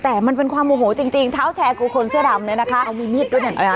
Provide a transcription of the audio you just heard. แต่มันเป็นความโอโหจริงท้าวแชกูคนเสื้อดำเนี่ยนะคะ